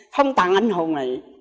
không tặng anh hồn này